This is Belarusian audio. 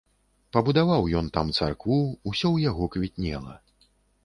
Пабудаваў ён там царкву, усё ў яго квітнела.